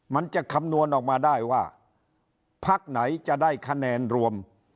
มันจะคำนวณออกมาได้ว่าพักไหนจะได้คะแนนรวม